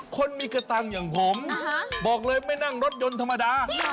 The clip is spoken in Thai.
คนมีกระตังค์อย่างผมบอกเลยไม่นั่งรถยนต์ธรรมดา